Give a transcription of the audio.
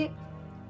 anaknya si yuli